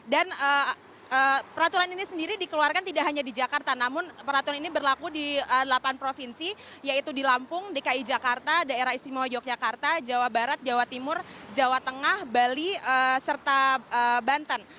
dan peraturan ini sendiri dikeluarkan tidak hanya di jakarta namun peraturan ini berlaku di delapan provinsi yaitu di lampung dki jakarta daerah istimewa yogyakarta jawa barat jawa timur jawa tengah bali serta banten